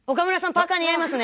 パーカ似合いますね！